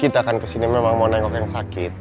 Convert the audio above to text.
kita akan kesini memang mau nengok yang sakit